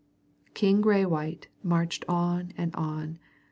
King Graywhite marched on and on.